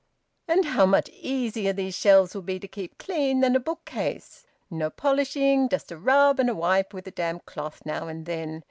"And how much easier these shelves will be to keep clean than a bookcase! No polishing. Just a rub, and a wipe with a damp cloth now and then.